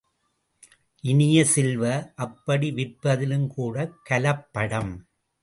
இனிய செல்வ, அப்படி விற்பதிலுங் கூடக் கலப்படம்!